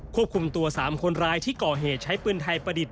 ควบคุมตัว๓คนร้ายที่ก่อเหตุใช้ปืนไทยประดิษฐ